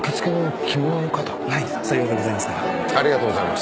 ありがとうございます。